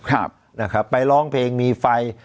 ครับนะครับไปร้องเพลงมีไฟ